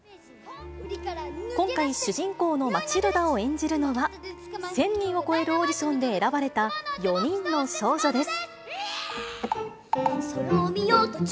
今回、主人公のマチルダを演じるのは、１０００人を超えるオーディションで選ばれた、４人の少女です。